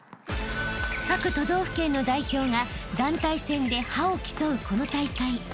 ［各都道府県の代表が団体戦で覇を競うこの大会］